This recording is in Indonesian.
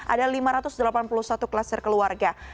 ada lima ratus delapan puluh satu kluster keluarga